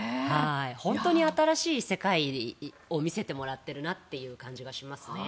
本当に新しい世界を見せてもらっているなという感じがしますね。